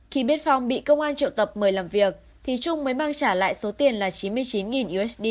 khi biết phong bị công an triệu tập mời làm việc thì trung mới mang trả lại số tiền là chín mươi chín usd